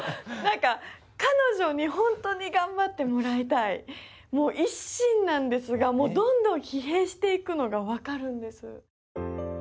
彼女に本当に頑張ってもらいたいもう一心なんですがどんどん疲弊していくのがわかるんです。